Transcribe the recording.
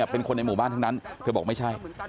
เป็นคนในหมู่บ้านทั้งนั้นเธอบอกไม่ใช่